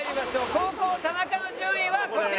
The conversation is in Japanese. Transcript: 後攻田中の順位はこちら！